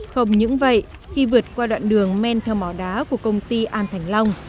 không những vậy khi vượt qua đoạn đường men theo mỏ đá của công ty an thành long